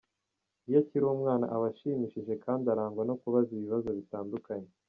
Iyo akiri umwana aba ashimishije kandi arangwa no kubaza ibibazo bitandukanye.